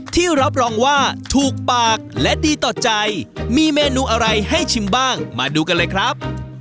ที่รับรองว่าถูกปากและดีต่อใจมีเมนูอะไรให้ชิมบ้างมาดูกันเลยครับ